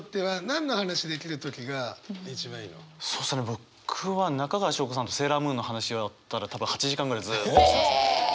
僕は中川翔子さんと「セーラームーン」の話だったら多分８時間ぐらいずっとしてますね。